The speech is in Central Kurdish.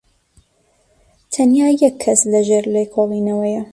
تەنیا یەک کەس لەژێر لێکۆڵینەوەیە.